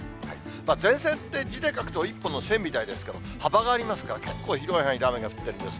前線って、字で書くと一本の線みたいですけど、幅がありますから、結構広い範囲で雨が降っているんです。